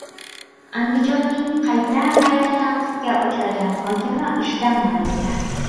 Andijonning qayta-qayta tanqidga uchragan hokimi ishdan olindi